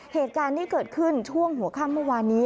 เหตุการณ์ที่เกิดขึ้นช่วงหัวค่ำเมื่อวานนี้